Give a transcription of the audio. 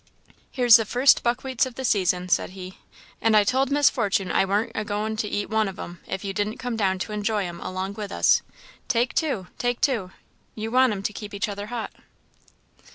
"Here's the first buckwheats of the season," said he, "and I told Miss Fortune I warn't agoing to eat one on 'em if you didn't come down to enjoy 'em along with us. Take two take two! you want 'em to keep each other hot."